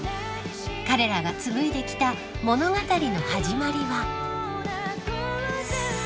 ［彼らが紡いできた物語の始まりは］